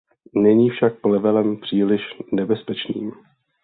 Není však plevelem příliš nebezpečným.